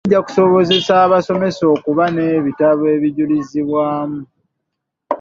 Kino kijja kusobozesa abasomesa okuba n'ebitabo ebijulizibwamu.